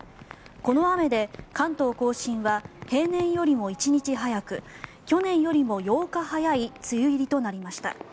この雨で関東・甲信は平年よりも１日早く去年よりも８日早い梅雨入りとなりました。